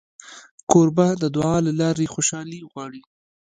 کوربه د دعا له لارې خوشالي غواړي.